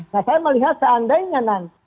nah saya melihat seandainya